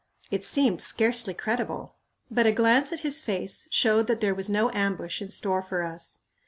It seemed scarcely credible, but a glance at his face showed that there was no ambush in store for us.